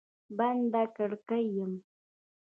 بنده کړکۍ یم